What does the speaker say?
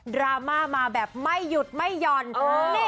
รามาแบบไม่หยุดไม่หย่อน